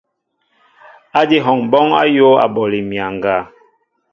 Adi hɔŋɓɔɔŋ ayōō aɓoli myaŋga.